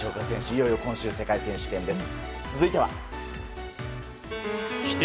いよいよ今週世界選手権です。